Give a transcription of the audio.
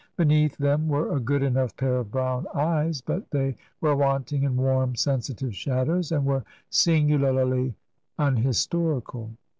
Beneath them were a good enough pair of brown eyes, but they were wanting in warm sensitive shadows, and were singu larly unhistorical.